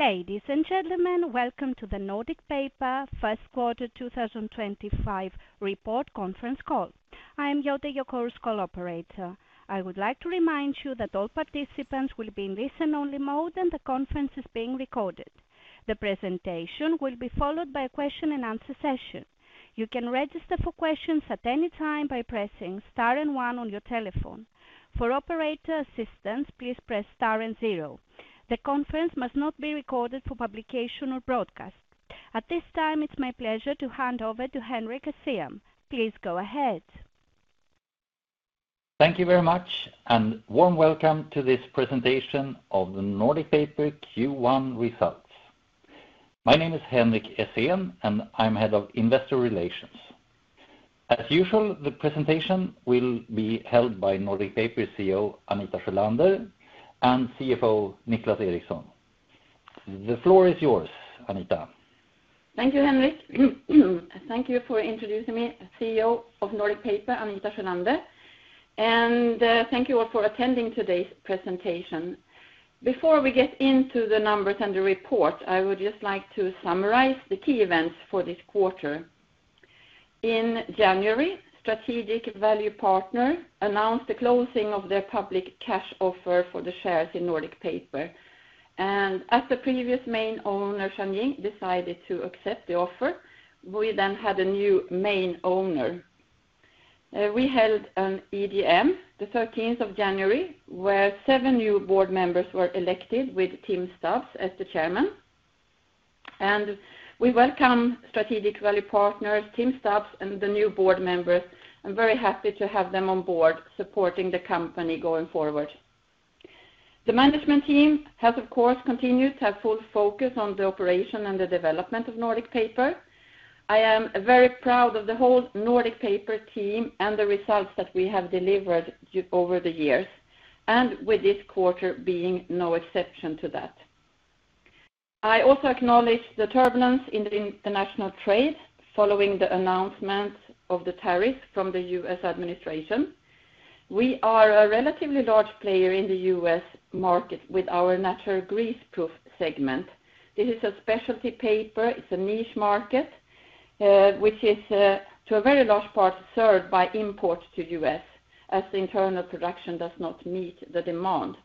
Ladies and gentlemen, welcome to the Nordic Paper First Quarter 2025 Report Conference Call. I am Yote Yokoros, call operator. I would like to remind you that all participants will be in listen-only mode and the conference is being recorded. The presentation will be followed by a question-and-answer session. You can register for questions at any time by pressing star and one on your telephone. For operator assistance, please press star and zero. The conference must not be recorded for publication or broadcast. At this time, it's my pleasure to hand over to Henrik Essén. Please go ahead. Thank you very much, and warm welcome to this presentation of the Nordic Paper Q1 results. My name is Henrik Essén, and I'm Head of Investor Relations. As usual, the presentation will be held by Nordic Paper CEO Anita Sjölander and CFO Niclas Eriksson. The floor is yours, Anita. Thank you, Henrik. Thank you for introducing me, CEO of Nordic Paper, Anita Sjölander. Thank you all for attending today's presentation. Before we get into the numbers and the report, I would just like to summarize the key events for this quarter. In January, Strategic Value Partners announced the closing of their public cash offer for the shares in Nordic Paper. As the previous main owner, Shun Ying, decided to accept the offer, we then had a new main owner. We held an EDM the 13th of January, where seven new board members were elected with Tim Stabs as the chairman. We welcome Strategic Value Partners, Tim Stabs, and the new board members. I'm very happy to have them on board supporting the company going forward. The management team has, of course, continued to have full focus on the operation and the development of Nordic Paper. I am very proud of the whole Nordic Paper team and the results that we have delivered over the years, and with this quarter being no exception to that. I also acknowledge the turbulence in international trade following the announcement of the tariffs from the U.S administration. We are a relatively large player in the U.S market with our Natural Greaseproof segment. This is a specialty paper. It's a niche market, which is to a very large part served by imports to the U.S, as the internal production does not meet the demand.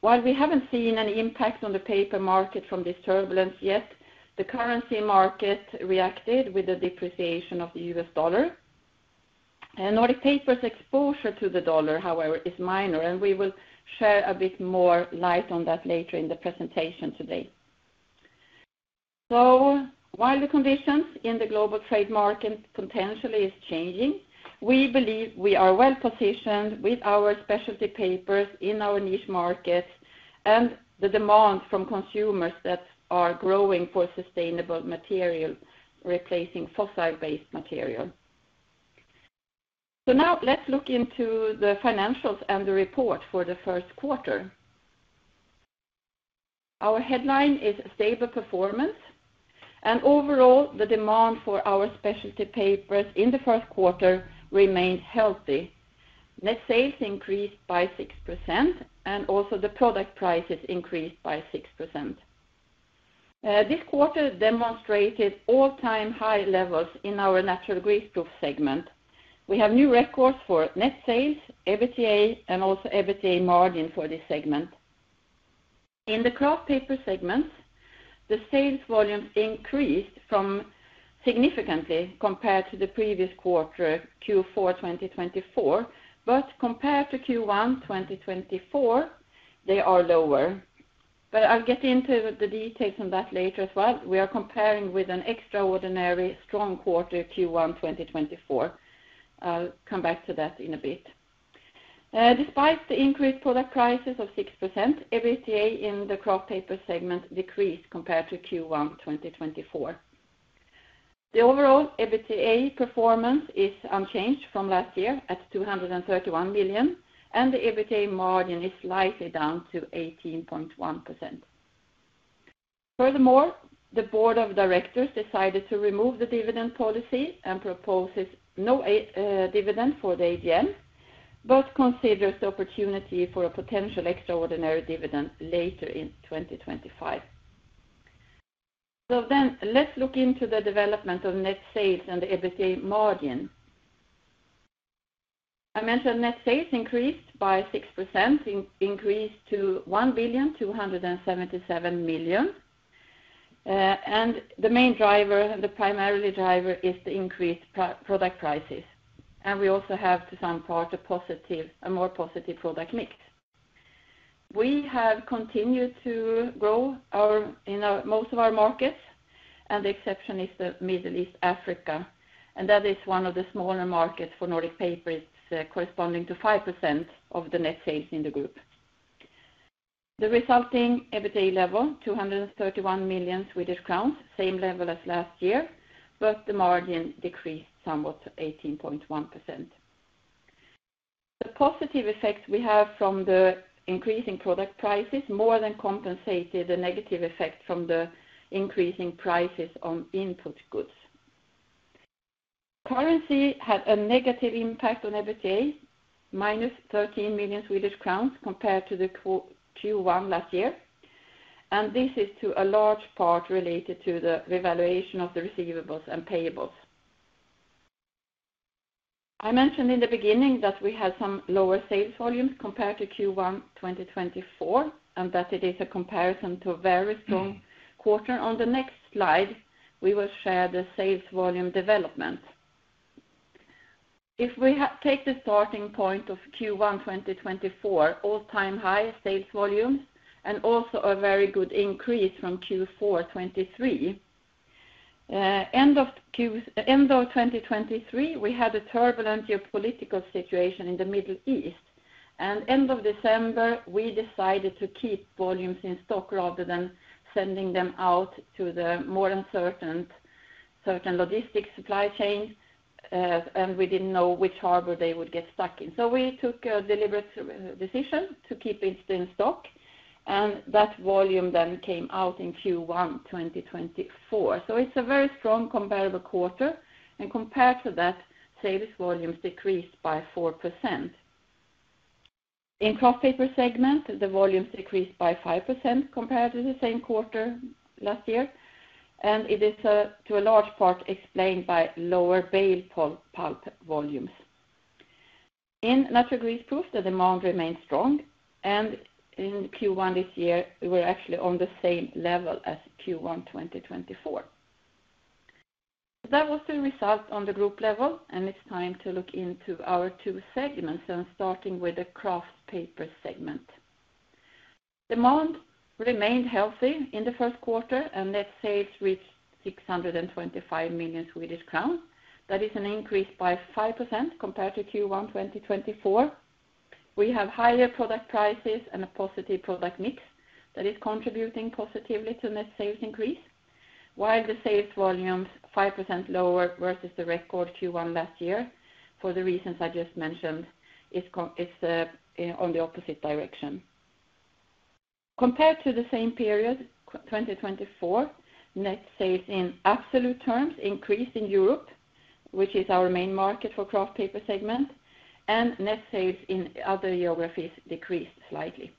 While we haven't seen any impact on the paper market from this turbulence yet, the currency market reacted with the depreciation of the U.S dollar. Nordic Paper's exposure to the dollar, however, is minor, and we will share a bit more light on that later in the presentation today. While the conditions in the global trade market potentially are changing, we believe we are well positioned with our specialty papers in our niche markets and the demand from consumers that are growing for sustainable material replacing fossil-based material. Now let's look into the financials and the report for the first quarter. Our headline is stable performance, and overall, the demand for our specialty papers in the first quarter remained healthy. Net sales increased by 6%, and also the product prices increased by 6%. This quarter demonstrated all-time high levels in our natural greaseproof segment. We have new records for net sales, EBITDA, and also EBITDA margin for this segment. In the craft paper segment, the sales volumes increased significantly compared to the previous quarter, Q4 2024, but compared to Q1 2024, they are lower. I'll get into the details on that later as well. We are comparing with an extraordinarily strong quarter, Q1 2024. I will come back to that in a bit. Despite the increased product prices of 6%, EBITDA in the craft paper segment decreased compared to Q1 2024. The overall EBITDA performance is unchanged from last year at 231 million, and the EBITDA margin is slightly down to 18.1%. Furthermore, the Board of Directors decided to remove the dividend policy and proposes no dividend for the EDM, but considers the opportunity for a potential extraordinary dividend later in 2025. Let us look into the development of net sales and the EBITDA margin. I mentioned net sales increased by 6%, increased to 1,277 million. The main driver, the primary driver, is the increased product prices. We also have, to some part, a more positive product mix. We have continued to grow in most of our markets, and the exception is the Middle East, Africa. That is one of the smaller markets for Nordic Paper, corresponding to 5% of the net sales in the group. The resulting EBITDA level, 231 million Swedish crowns, same level as last year, but the margin decreased somewhat to 18.1%. The positive effect we have from the increasing product prices more than compensated the negative effect from the increasing prices on input goods. Currency had a negative impact on EBITDA, minus 13 million Swedish crowns compared to Q1 last year. This is to a large part related to the revaluation of the receivables and payables. I mentioned in the beginning that we had some lower sales volumes compared to Q1 2024, and that it is a comparison to a very strong quarter. On the next slide, we will share the sales volume development. If we take the starting point of Q1 2024, all-time high sales volumes, and also a very good increase from Q4 2023. End of 2023, we had a turbulent geopolitical situation in the Middle East. End of December, we decided to keep volumes in stock rather than sending them out to the more uncertain logistics supply chain, and we did not know which harbor they would get stuck in. We took a deliberate decision to keep it in stock, and that volume then came out in Q1 2024. It is a very strong comparable quarter, and compared to that, sales volumes decreased by 4%. In craft paper segment, the volumes decreased by 5% compared to the same quarter last year, and it is to a large part explained by lower bale pulp volumes. In natural greaseproof, the demand remained strong, and in Q1 this year, we were actually on the same level as Q1 2024. That was the result on the group level, and it's time to look into our two segments, starting with the craft paper segment. Demand remained healthy in the first quarter, and net sales reached 625 million Swedish crowns. That is an increase by 5% compared to Q1 2024. We have higher product prices and a positive product mix that is contributing positively to net sales increase, while the sales volume is 5% lower versus the record Q1 last year. For the reasons I just mentioned, it's on the opposite direction. Compared to the same period, 2024, net sales in absolute terms increased in Europe, which is our main market for craft paper segment, and net sales in other geographies decreased slightly.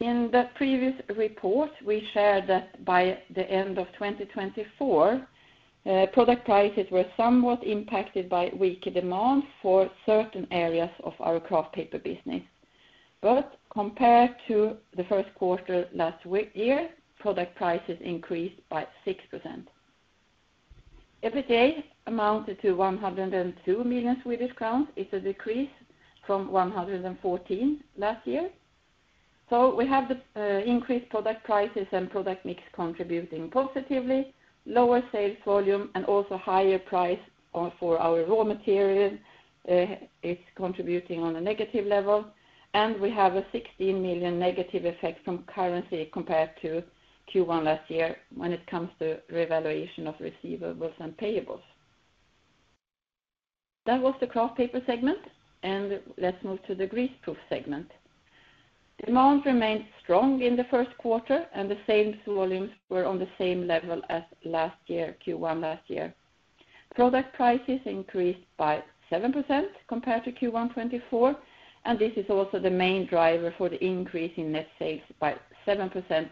In the previous report, we shared that by the end of 2024, product prices were somewhat impacted by weaker demand for certain areas of our kraft paper business. Compared to the first quarter last year, product prices increased by 6%. EBITDA amounted to 102 million Swedish crowns. It is a decrease from 114 million last year. We have the increased product prices and product mix contributing positively, lower sales volume, and also higher price for our raw material. It is contributing on a negative level, and we have a 16 million negative effect from currency compared to Q1 last year when it comes to revaluation of receivables and payables. That was the kraft paper segment, and let's move to the greaseproof segment. Demand remained strong in the first quarter, and the sales volumes were on the same level as last year, Q1 last year. Product prices increased by 7% compared to Q1 2024, and this is also the main driver for the increase in net sales by 7%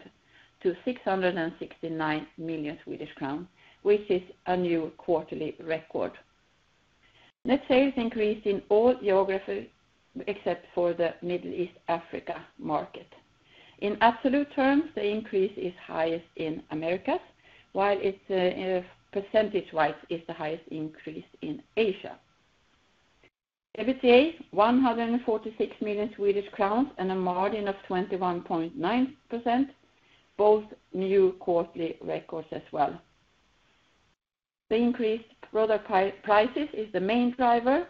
to 669 million Swedish crowns, which is a new quarterly record. Net sales increased in all geographies except for the Middle East, Africa market. In absolute terms, the increase is highest in Americas, while it's percentage-wise the highest increase in Asia. EBITDA, 146 million Swedish crowns and a margin of 21.9%, both new quarterly records as well. The increased product prices is the main driver,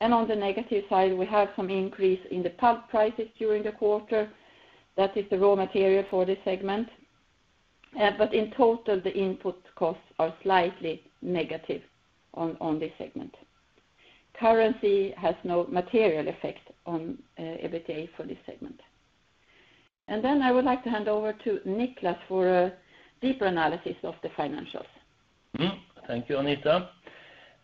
and on the negative side, we have some increase in the pulp prices during the quarter. That is the raw material. For this segment, but in total, the input costs are slightly negative on this segment. Currency has no material effect on EBITDA for this segment. I would like to hand over to Niclas for a deeper analysis of the financials. Thank you, Anita.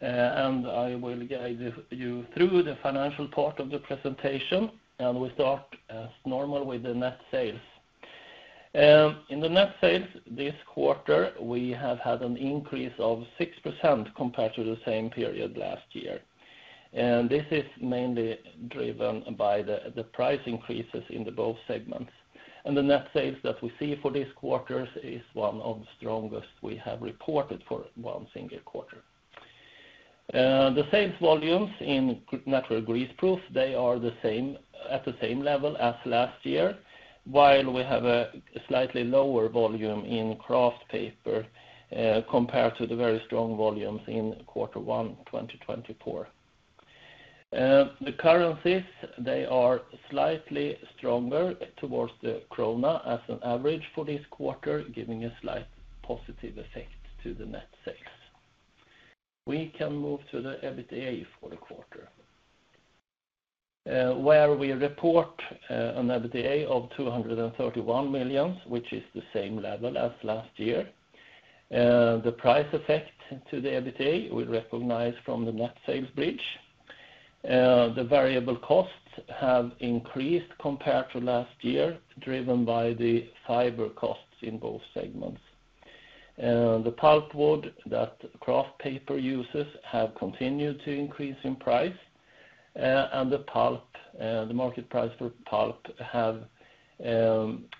I will guide you through the financial part of the presentation, and we start as normal with the net sales. In the net sales this quarter, we have had an increase of 6% compared to the same period last year. This is mainly driven by the price increases in both segments. The net sales that we see for this quarter is one of the strongest we have reported for one single quarter. The sales volumes in natural greaseproof, they are at the same level as last year, while we have a slightly lower volume in craft paper compared to the very strong volumes in quarter one 2024. The currencies, they are slightly stronger towards the krona as an average for this quarter, giving a slight positive effect to the net sales. We can move to the EBITDA for the quarter, where we report an EBITDA of 231 million, which is the same level as last year. The price effect to the EBITDA we recognize from the net sales bridge. The variable costs have increased compared to last year, driven by the fiber costs in both segments. The pulp wood that kraft paper Uses have continued to increase in price, and the market price for pulp has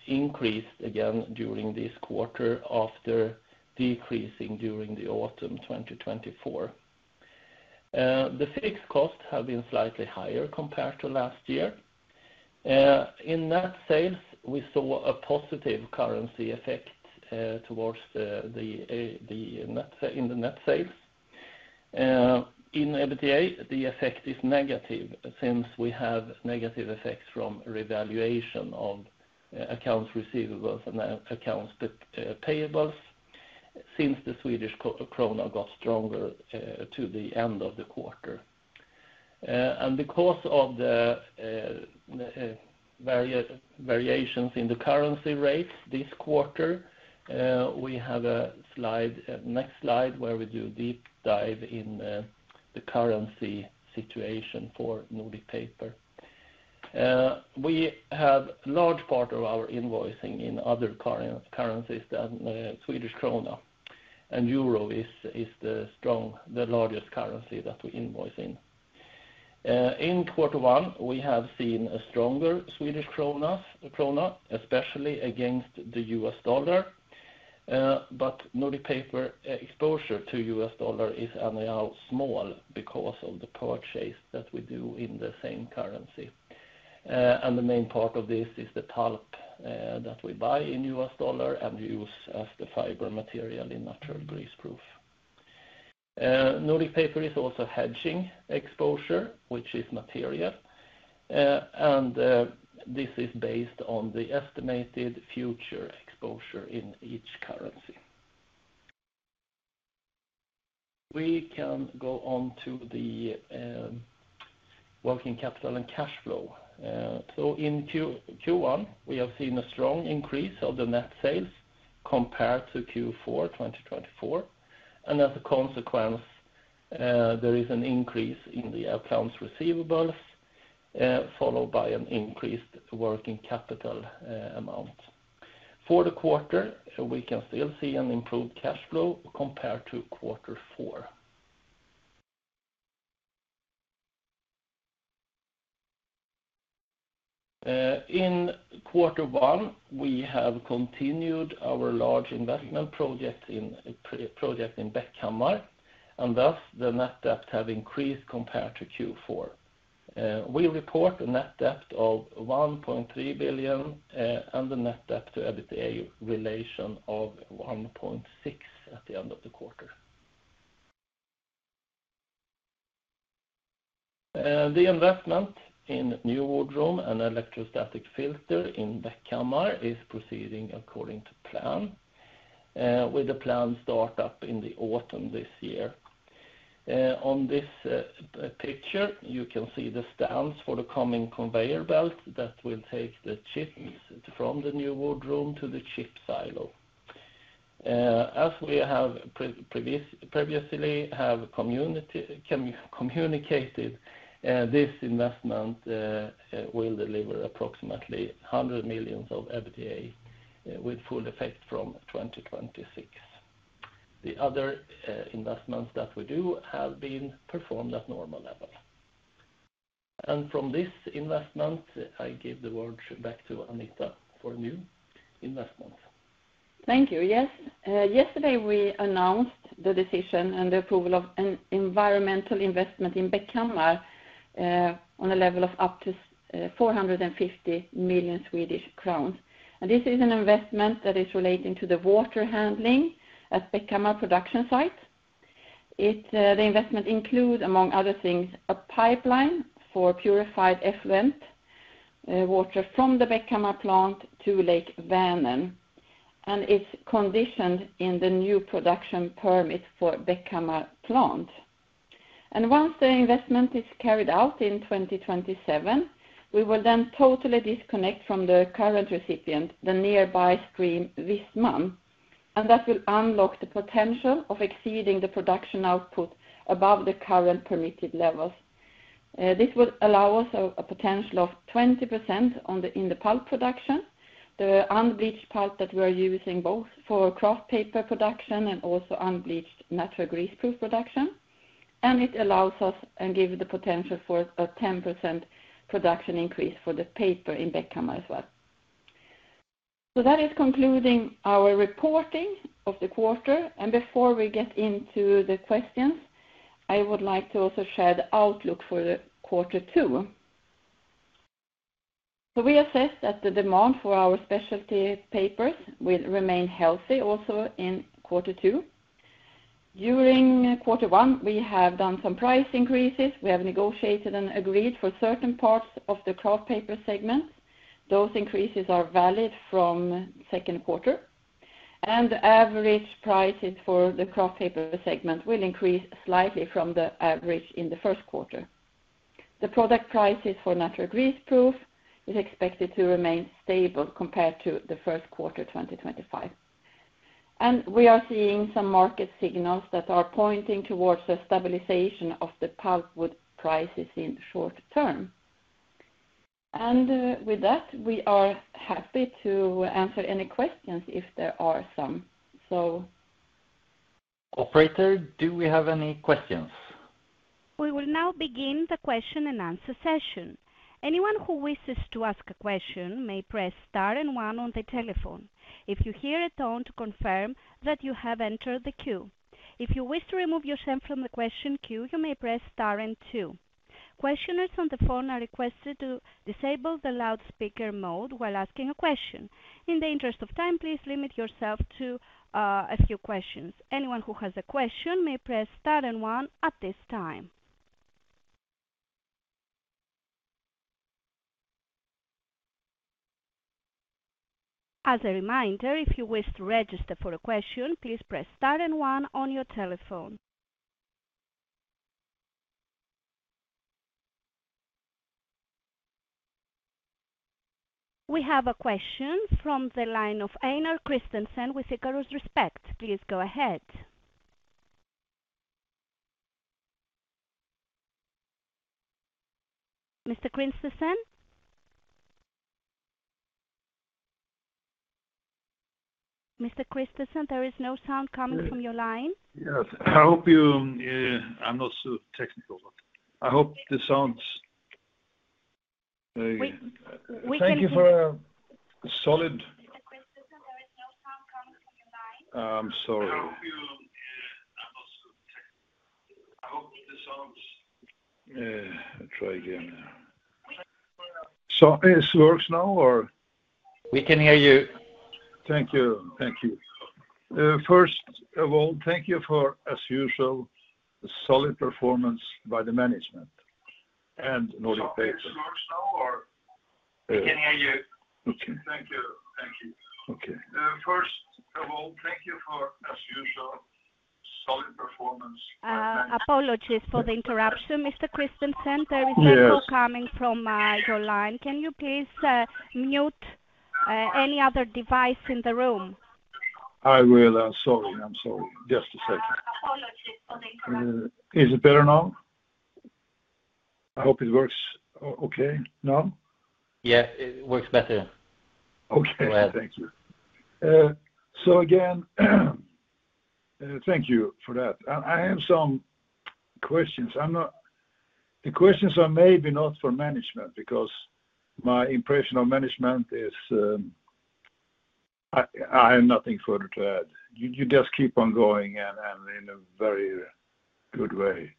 increased again during this quarter after decreasing during the autumn 2024. The fixed costs have been slightly higher compared to last year. In net sales, we saw a positive currency effect towards the net sales. In EBITDA, the effect is negative since we have negative effects from revaluation of accounts receivables and accounts payables since the Swedish krona got stronger to the end of the quarter. BecaU.Se of the variations in the currency rates this quarter, we have a next slide where we do a deep dive in the currency situation for Nordic Paper. We have a large part of our invoicing in other currencies than Swedish krona, and euro is the largest currency that we invoice in. In quarter one, we have seen a stronger Swedish krona, especially against the U.S dollar, but Nordic Paper exposure to U.S dollar is now small because of the purchase that we do in the same currency. The main part of this is the pulp that we buy in U.S dollar and use as the fiber material in natural greaseproof. Nordic Paper is also hedging exposure, which is material, and this is based on the estimated future exposure in each currency. We can go on to the working capital and cash flow. In Q1, we have seen a strong increase of the net sales compared to Q4 2024, and as a consequence, there is an increase in the accounts receivables, followed by an increased working capital amount. For the quarter, we can still see an improved cash flow compared to quarter four. In quarter one, we have continued our large investment project in Bäckhammar, and thus the net debt has increased compared to Q4. We report a net debt of 1.3 billion, and the net debt to EBITDA relation of 1.6 billion at the end of the quarter. The investment in new woodroom and electrostatic filter in Bäckhammar is proceeding according to plan, with the planned startup in the autumn this year. On this picture, you can see the stands for the coming conveyor belt that will take the chips from the new woodroom to the chip silo. As we have previously communicated, this investment will deliver approximately 100 million of EBITDA with full effect from 2026. The other investments that we do have been performed at normal level. From this investment, I give the word back to Anita for new investments. Thank you. Yes, yesterday we announced the decision and the approval of an environmental investment in Bäckhammar on a level of up to 450 million Swedish crowns. This is an investment that is relating to the water handling at the Bäckhammar production site. The investment includes, among other things, a pipeline for purified effluent water from the Bäckhammar plant to Lake Vänern, and it is conditioned in the new production permit for the Bäckhammar plant. Once the investment is carried out in 2027, we will then totally disconnect from the current recipient, the nearby stream Väsmån, and that will unlock the potential of exceeding the production output above the current permitted levels. This would allow U.S a potential of 20% in the pulp production, the unbleached pulp that we are using both for kraft paper production and also unbleached natural greaseproof production. It allows U.S and gives the potential for a 10% production increase for the paper in Bäckhammar as well. That is concluding our reporting of the quarter, and before we get into the questions, I would like to also share the outlook for quarter two. We assessed that the demand for our specialty papers will remain healthy also in quarter two. During quarter one, we have done some price increases. We have negotiated and agreed for certain parts of the craft paper segment. Those increases are valid from second quarter, and the average prices for the craft paper segment will increase slightly from the average in the first quarter. The product prices for natural greaseproof paper are expected to remain stable compared to the first quarter 2025. We are seeing some market signals that are pointing towards a stabilization of the pulp wood prices in the short term. With that, we are happy to answer any questions if there are some. Operator, do we have any questions? We will now begin the question and answer session. Anyone who wishes to ask a question may press star and one on the telephone. You will hear a tone to confirm that you have entered the queue. If you wish to remove yourself from the question queue, you may press star and two. Questioners on the phone are requested to disable the loudspeaker mode while asking a question. In the interest of time, please limit yourself to a few questions. Anyone who has a question may press star and one at this time. As a reminder, if you wish to register for a question, please press star and one on your telephone. We have a question from the line of Einar Christensen with Icarus Respect. Please go ahead. Mr. Christensen? Mr. Christensen, there is no sound coming from your line. Yes. I hope you—I am not so technical. I hope the sound's— We can hear you. Thank you for a solid— Mr. Christensen, there is no sound coming from your line. I'm sorry. I hope you—I’m not so technical. I hope the sound’s— I'll try again now. We can hear you. It works now, or? We can hear you. Thank you. Thank you. First of all, thank you for, as usual, solid performance by the management and Nordic Paper. I hope the sound's working now, or? We can hear you. Okay. Thank you. Thank you. Okay. First of all, thank you for, as usual, solid performance by the management. Apologies for the interruption, Mr. Christensen. There is— Thank you. No coming from your line. Can you please mute any other device in the room? I will. I'm sorry. I'm sorry. Just a second. Apologies for the interruption. Is it better now? I hope it works okay now. Yeah, it works better. Okay. Thank you. Thank you for that. I have some questions. The questions are maybe not for management because my impression of management is I have nothing further to add. You just keep on going in a very good way.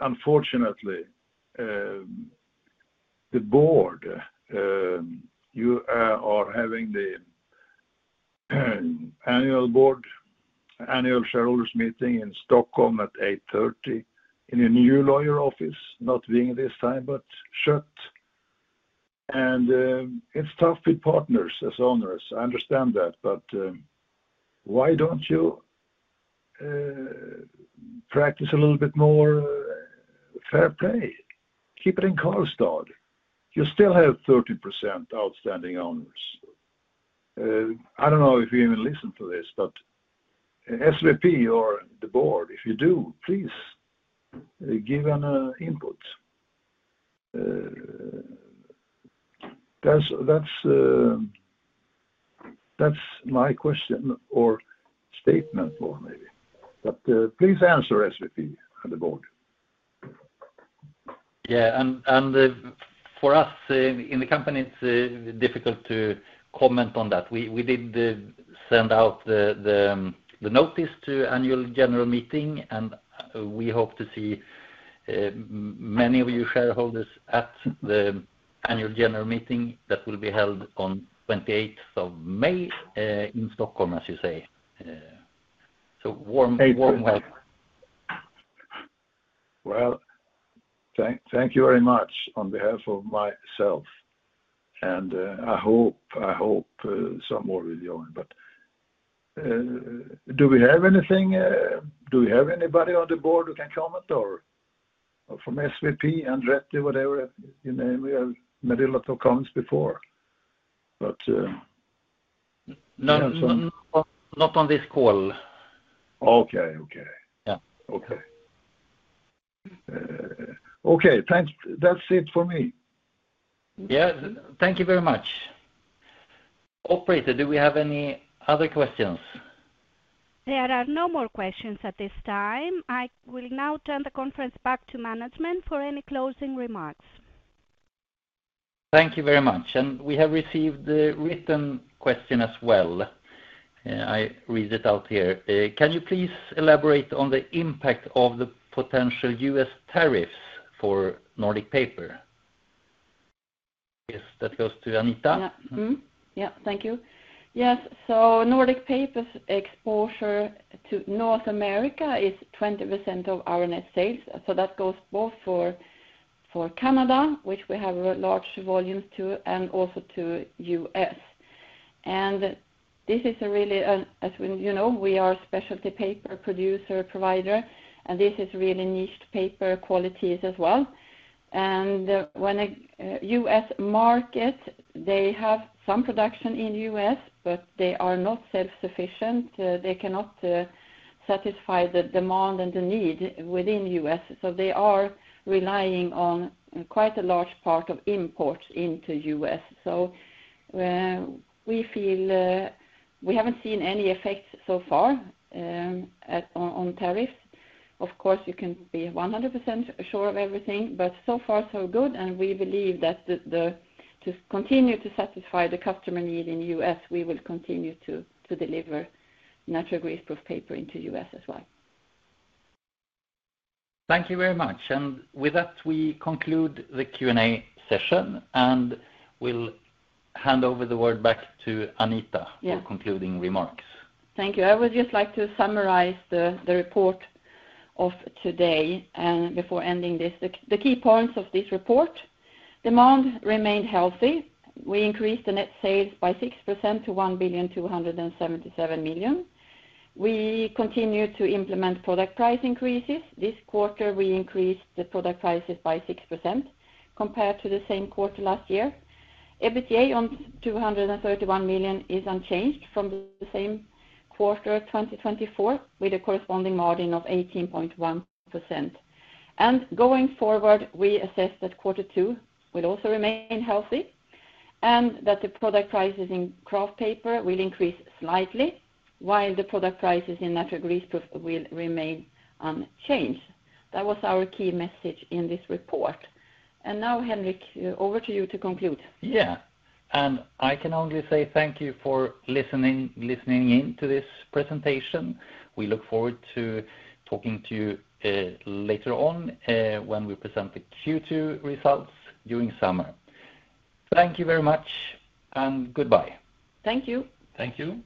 Unfortunately, the board, you are having the annual shareholders meeting in Stockholm at 8:30 in your new lawyer office, not being this time, but shut. It's tough with partners as owners. I understand that, but why don't you practice a little bit more fair play? Keep it in Karlstad. You still have 30% outstanding owners. I don't know if you even listen to this, but SVP or the board, if you do, please give an input. That's my question or statement, or maybe. Please answer, SVP and the board. Yeah. For us in the company, it's difficult to comment on that. We did send out the notice to annual general meeting, and we hope to see many of you shareholders at the annual general meeting that will be held on 28th of May in Stockholm, as you say. Warm welcome. Thank you very much on behalf of myself. I hope some more with you on it. Do we have anything? Do we have anybody on the board who can comment, or from Strategic Value Partners, Andretti, whatever, you name? We have a little two comments before. None on this call. Okay. Okay. Yeah. Okay. Okay. That's it for me. Yeah. Thank you very much. Operator, do we have any other questions? There are no more questions at this time. I will now turn the conference back to management for any closing remarks. Thank you very much. We have received the written question as well. I read it out here. Can you please elaborate on the impact of the potential U.S tariffs for Nordic Paper? Yes, that goes to Anita. Yeah. Thank you. Yes. Nordic Paper's exposure to North America is 20% of our net sales. That goes both for Canada, which we have large volumes to, and also to the U.S. This is really, as you know, we are a specialty paper producer provider, and this is really niched paper qualities as well. When a U.S. market, they have some production in the U.S., but they are not self-sufficient. They cannot satisfy the demand and the need within the U.S. They are relying on quite a large part of imports into the U.S. We feel we haven't seen any effects so far on tariffs. Of course, you can be 100% sure of everything, but so far, so good. We believe that to continue to satisfy the customer need in the U.S., we will continue to deliver natural greaseproof paper into the U.S. as well. Thank you very much. With that, we conclude the Q&A session, and we'll hand over the word back to Anita for concluding remarks. Thank you. I would just like to summarize the report of today before ending this. The key points of this report: demand remained healthy. We increased the net sales by 6% to 1,277 million. We continued to implement product price increases. This quarter, we increased the product prices by 6% compared to the same quarter last year. EBITDA on 231 million is unchanged from the same quarter 2024, with a corresponding margin of 18.1%. Going forward, we assess that quarter two will also remain healthy and that the product prices in craft paper will increase slightly, while the product prices in natural greaseproof will remain unchanged. That was our key message in this report. Now, Henrik, over to you to conclude. Yeah. I can only say thank you for listening in to this presentation. We look forward to talking to you later on when we present the Q2 results during summer. Thank you very much, and goodbye. Thank you. Thank you.